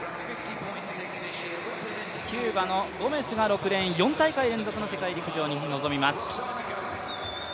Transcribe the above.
キューバのゴメスが６レーン、４大会連続の世界陸上に臨みます。